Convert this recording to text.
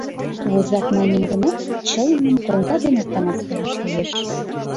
Возак маньым гынат, чылымым коҥга денат таҥастараш лиеш.